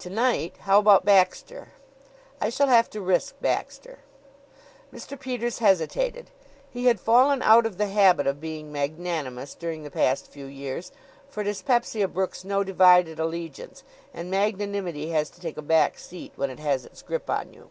"To night? How about Baxter?" "I shall have to risk Baxter." Mr. Peters hesitated. He had fallen out of the habit of being magnanimous during the past few years, for dyspepsia brooks no divided allegiance and magnanimity has to take a back seat when it has its grip on you.